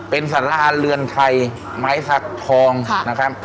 เป็นสาราเรือนไทยไม้สักทองนะครับ